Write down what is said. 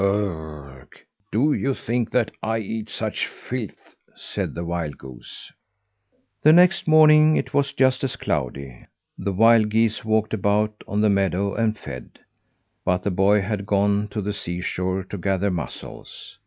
"Ugh! Do you think that I eat such filth?" said the wild goose. The next morning it was just as cloudy. The wild geese walked about on the meadow and fed; but the boy had gone to the seashore to gather mussels.